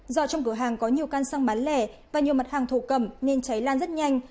do trong cửa hàng có nhiều căn xăng bán lẻ và nhiều mặt hàng thổ cầm nên cháy lan rất nhanh